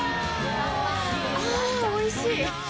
あぁおいしい！